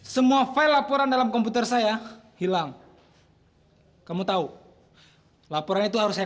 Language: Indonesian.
semua file laporan dalam komputer saya hilang kamu tahu laporan itu harus saya